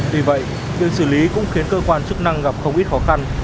tuy vậy việc xử lý cũng khiến cơ quan chức năng gặp không ít khó khăn